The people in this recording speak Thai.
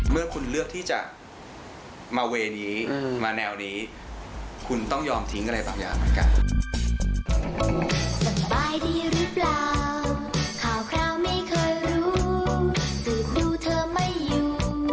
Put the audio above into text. เมื่อคุณเลือกที่จะมาเวย์นี้มาแนวนี้คุณต้องยอมทิ้งอะไรบางอย่างเหมือนกัน